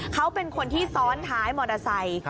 เขาเป็นคนที่ซ้อนท้ายมอเตอร์ไซค์